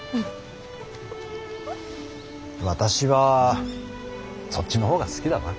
私はそっちの方が好きだな。